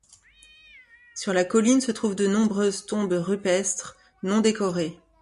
Sur la colline se trouvent de nombreuses tombes rupestres non décorées.